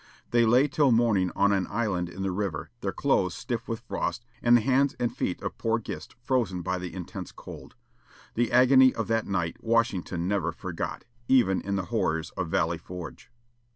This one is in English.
They lay till morning on an island in the river, their clothes stiff with frost, and the hands and feet of poor Gist frozen by the intense cold. The agony of that night Washington never forgot, even in the horrors of Valley Forge.